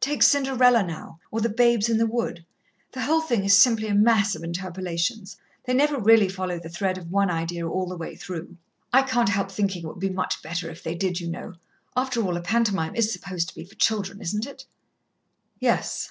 Take 'Cinderella,' now, or 'The Babes in the Wood.' The whole thing is simply a mass of interpolations they never really follow the thread of one idea all the way through. I can't help thinking it would be much better if they did, you know. After all, a pantomime is supposed to be for children, isn't it?" "Yes."